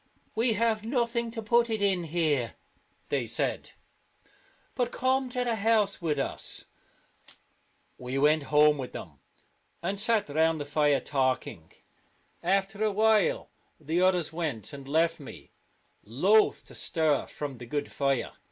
" We have nothing to put it in here," they said, " but come to the house with us." We went home with them, and sat round the fire talking. After a while the others went, and left me, loath to stir from the good fire.